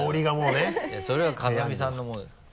それは風見さんのものですから。